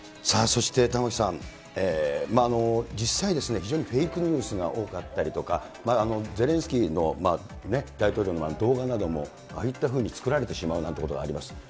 さあ、そして玉城さん、実際、非常にフェークニュースが多かったりとか、ゼレンスキー大統領の動画などもああいったふうに作られてしまうなんてことがあります。